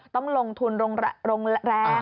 ต้องลงทุนลงแรง